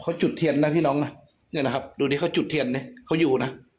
เนี่ยครับแล้วพี่น้องนะเลยนะครับเขาอยู่